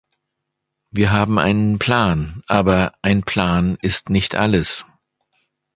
Wir haben einen Plan, aber ein Plan ist nicht alles.